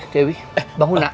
dewi bangun nak